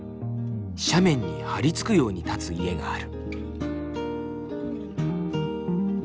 斜面に張り付くように立つ家がある。